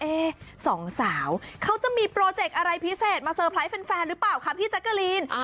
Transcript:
สองสาวเขาจะมีโปรเจกต์อะไรพิเศษมาเตอร์ไพรส์แฟนหรือเปล่าคะพี่แจ๊กกะลีน